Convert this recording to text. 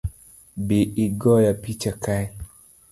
Bi igoya picha kae